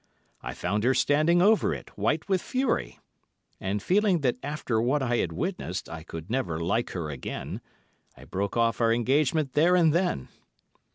I found her standing over it, white with fury; and feeling that after what I had witnessed I could never like her again, I broke off our engagement there and then.